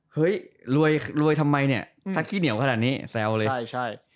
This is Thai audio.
เห้ยรวยทำไมเนี่ยสักขี้เหนียวขนาดนี้แซวเลย